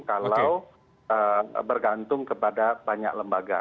kalau bergantung kepada banyak lembaga